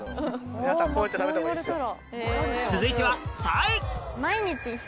皆さんこうやって食べた方がいいですよ。